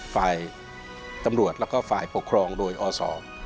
ฝ่ายตำรวจแล้วก็ฝ่ายปกครองโดยอศ